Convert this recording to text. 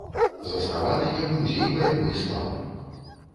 Заснаваны як музей баявой славы.